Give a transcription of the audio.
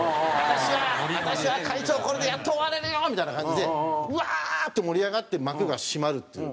「私は会長これでやっと終われるよ」みたいな感じでうわーっと盛り上がって幕が閉まるっていう。